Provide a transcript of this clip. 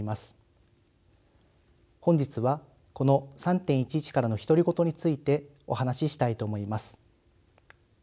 本日はこの「３．１１からの独り言」についてお話ししたいと思います。